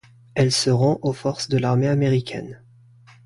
Elle se rend aux forces de l'armée américaine.